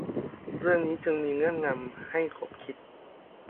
เรื่องนี้จึงมีเงื่อนงำ ให้ขบคิด